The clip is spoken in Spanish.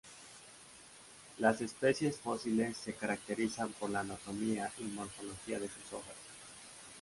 Las especies fósiles se caracterizan por la anatomía y morfología de sus hojas.